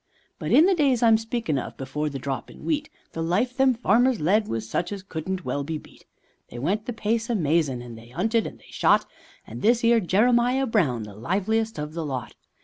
But in the days I'm speakin' of, before the drop in wheat, The life them farmers led was such as couldn't well be beat; They went the pace amazin', they 'unted and they shot, And this 'ere Jeremiah Brown the liveliest of the lot.